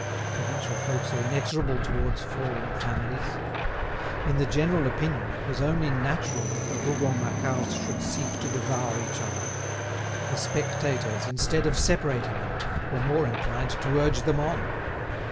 Provincial folks are inexorable towards fallen families. In the general opinion it was only natural that the Rougon Macquarts should seek to devour each other; the spectators, instead of separating them, were more inclined to urge them on.